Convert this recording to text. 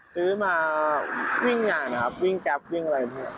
ซื้อมาวิ่งอย่างนะครับวิ่งแก๊ปวิ่งอะไร